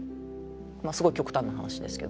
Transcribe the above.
すごい極端な話ですけど。